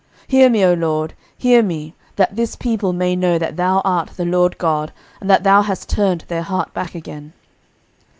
11:018:037 Hear me, O LORD, hear me, that this people may know that thou art the LORD God, and that thou hast turned their heart back again.